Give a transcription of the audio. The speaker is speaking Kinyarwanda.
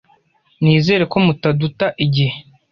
Nizere ko mutaduta igihe.